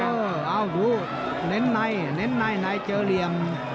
เอ้าหูเน้นในไหนเจอเหลี่ยม